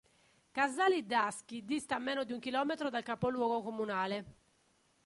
Casali d'Aschi dista meno di un chilometro dal capoluogo comunale.